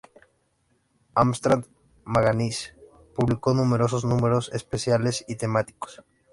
Amstrad Magazine publicó numerosos números especiales y temáticos.